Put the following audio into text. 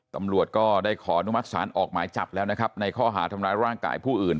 ตำรวจก็ได้ขออนุมัติศาลออกหมายจับแล้วนะครับในข้อหาทำร้ายร่างกายผู้อื่น